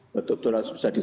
betul betul harus bisa